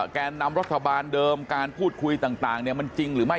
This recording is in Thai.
แกนนำรัฐบาลเดิมการพูดคุยต่างมันจริงหรือไม่